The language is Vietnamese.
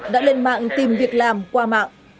đã lên mạng tìm việc làm qua mạng